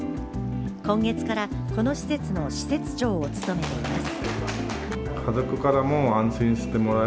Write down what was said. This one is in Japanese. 今月から、この施設の施設長を務めています。